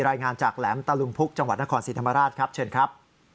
รายงานจากแหลมตะลุมพุกจังหวัดนครศรีธรรมราชครับเชิญครับ